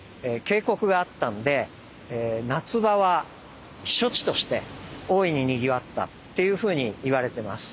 渓谷があったんで夏場は避暑地として大いににぎわったっていうふうにいわれてます。